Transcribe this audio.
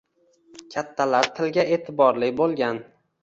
Kattalar tilga e’tiborli bo‘lgan.